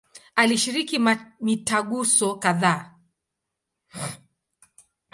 Alishiriki mitaguso kadhaa.